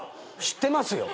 知ってますよ。